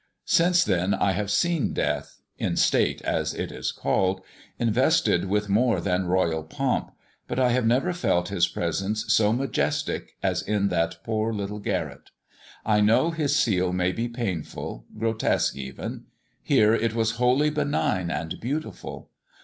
Since then I have seen death "in state" as it is called invested with more than royal pomp, but I have never felt his presence so majestic as in that poor little garret. I know his seal may be painful, grotesque even: here it was wholly benign and beautiful.